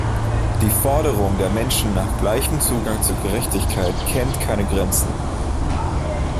Die Forderung der Menschen nach gleichem Zugang zu Gerechtigkeit kennt keine Grenzen.